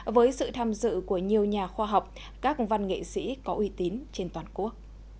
với sự tham dự của nhiều nhà khoa học các văn nghệ sĩ có uy tín trên toàn quốc